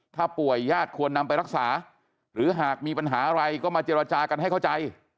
ถ้าป่วยญาติควรนำไปรักษาหรือหากมีปัญหาอะไรก็มาเจรจากันให้เข้าใจ